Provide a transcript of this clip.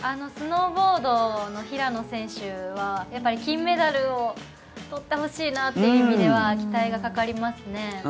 スノーボードの平野選手は金メダルを取ってほしいなという意味では期待がかかりますね。